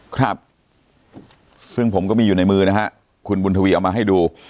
ครับซึ่งผมก็มีอยู่ในมือนะฮะคุณบุญทวีเอามาให้ดู